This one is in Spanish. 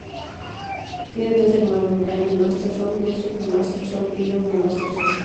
Tiene tres hermanos: Danny Masterson, Christopher Masterson y Jordan Masterson.